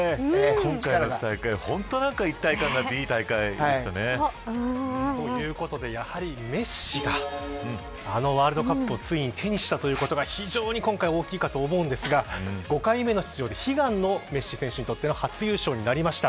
今大会は本当に一体感があってということで、やはりメッシがあのワールドカップをついに手にしたということが非常に今回大きいかと思うんですが５回目の出場で悲願のメッシ選手にとっての初優勝となりました。